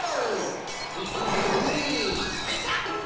はいはいはいはいはいきた！